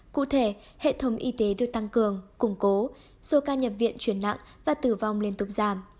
cụ thể hệ thống y tế được tăng cường củng cố số ca nhập viện chuyển nặng và tử vong liên tục giảm